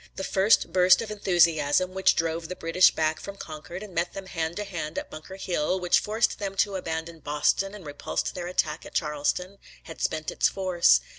The first burst of enthusiasm, which drove the British back from Concord and met them hand to hand at Bunker Hill, which forced them to abandon Boston and repulsed their attack at Charleston, had spent its force.